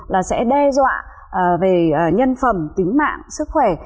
là sẽ đe dọa về nhân phẩm tính mạng sức khỏe